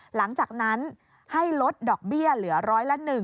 หลังจากนั้นให้ลดดอกเบี้ยเหลือร้อยละ๑